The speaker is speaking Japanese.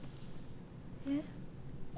えっ？